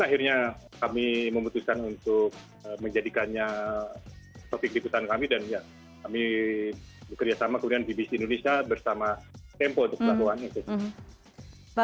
dan akhirnya kami memutuskan untuk menjadikannya topik di perusahaan kami dan ya kami bekerja sama kemudian bbc indonesia bersama tempo untuk pelakuannya